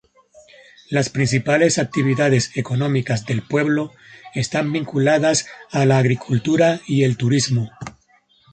Las principales actividades económicas del pueblo están vinculadas a la agricultura y el turismo.